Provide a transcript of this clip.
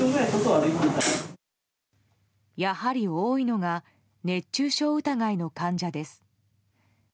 やはり多いのが熱中症疑いの患者です。